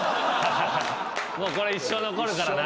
もうこれ一生残るからな。